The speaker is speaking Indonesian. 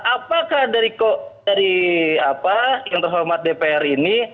apakah dari yang terhormat dpr ini